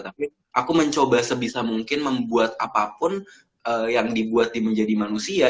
tapi aku mencoba sebisa mungkin membuat apapun yang dibuat di menjadi manusia